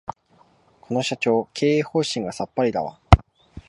この社長、経営方針がさっぱりだわ